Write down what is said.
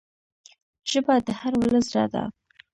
ژبه د هر ولس زړه ده